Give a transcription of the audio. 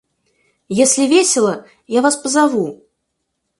Если весело, я вас позову.